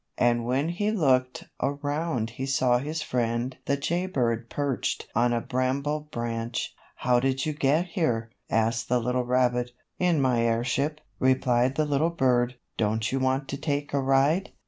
And when he looked around he saw his friend the Jay Bird perched on a bramble branch. "How did you get here?" asked the little rabbit. "In my airship," replied the little bird. "Don't you want to take a ride?"